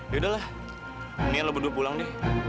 yaudah lah ini yang lu berdua pulang deh